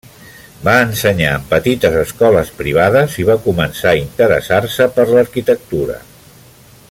Va ensenyar en petites escoles privades i va començar a interessar-se per l'arquitectura.